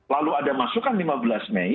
lalu ada masukan lima belas mei